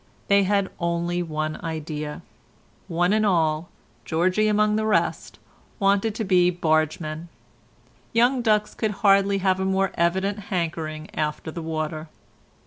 They had only one idea; one and all, Georgie among the rest, wanted to be bargemen. Young ducks could hardly have a more evident hankering after the water.